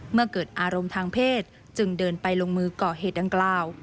เมื่อเกิดอารมณ์ทางเพศจึงเดินไปลงมือก่อเหตุดังกล่าว